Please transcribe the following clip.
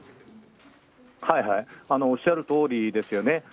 はいはい、おっしゃるとおりですよね。